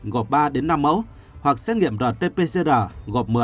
gộp ba năm mẫu hoặc xét nghiệm rt pcr gộp một mươi hai mươi